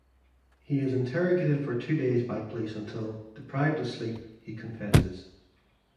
He is interrogated for two days by police until, deprived of sleep, he confesses.